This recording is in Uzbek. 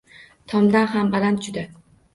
Tomdan ham baland juda!